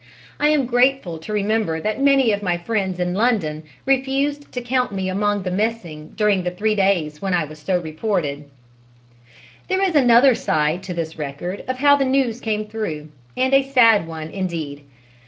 I am grateful to remember that many of my friends in London refused to count me among the missing during the three days when I was so reported. There is another side to this record of how the news came through, and a sad one, indeed.